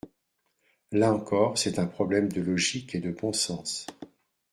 Là encore, c’est un problème de logique et de bon sens.